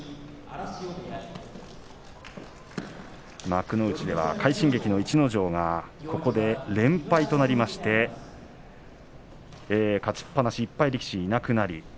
幕内では快進撃の逸ノ城がここで連敗となりまして勝ちっぱなし、１敗力士はいなくなりました。